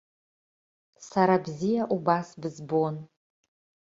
Сара бзиа убас бызбон.